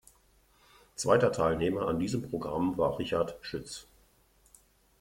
Zweiter Teilnehmer an diesem Programm war Richard Schütz.